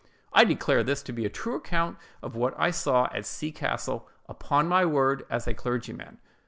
I declare this to be a true account of what I saw at C—— castle, upon my word as a clergyman."